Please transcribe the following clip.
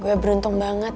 gue beruntung banget